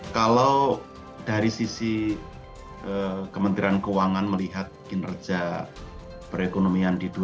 kalau dari sisi kementerian keuangan melihat kinerja perekonomian di dua ribu dua puluh